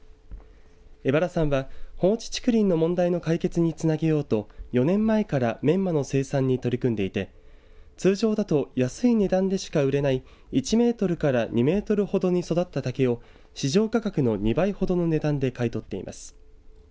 江原さんは放置竹林の問題の解決につなげようと４年前からメンマの生産に取り組んでいて通常だと安い値段でしか売れない１メートルから２メートルほどに育った竹を市場価格の２倍ほどの値段で買い取っています。